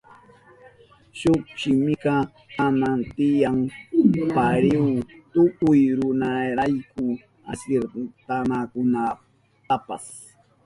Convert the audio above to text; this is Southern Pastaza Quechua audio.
Shuk shimika kanan tiyan parihu tukuy runarayku asirtanakunankunapa.